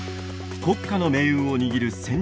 国家の命運を握る戦略